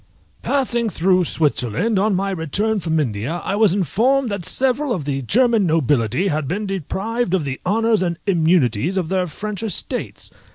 _ Passing through Switzerland on my return from India, I was informed that several of the German nobility had been deprived of the honours and immunities of their French estates.